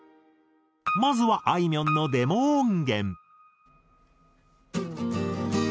まずはあいみょんのデモ音源。